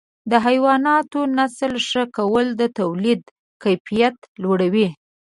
د حیواناتو نسل ښه کول د تولید کیفیت لوړوي.